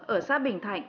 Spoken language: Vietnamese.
ở xã bình thạnh